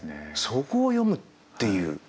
そこを詠むっていう。